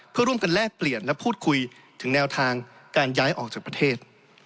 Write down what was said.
เพื่อร่วมกันแลกเปลี่ยนและพูดคุยถึงแนวทางการย้ายออกจากประเทศ